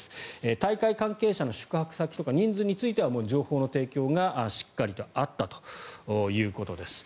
大会関係者の宿泊先とか人数についてはもう情報の提供がしっかりとあったということです。